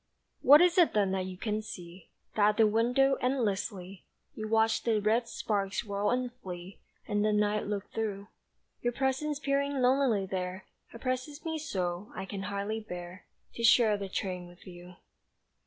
What is it then that you can see That at the window endlessly You watch the red sparks whirl and flee And the night look through? Your presence peering lonelily there Oppresses me so, I can hardly bear To share the train with you.